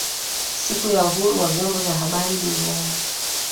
Siku ya Uhuru wa Vyombo vya Habari Duniani